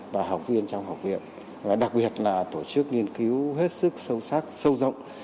và học viên trong học viện và đặc biệt là tổ chức nghiên cứu hết sức sâu sắc sâu rộng